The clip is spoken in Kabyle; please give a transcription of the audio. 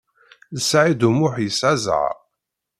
Saɛid U Muḥ yesɛa zzheṛ.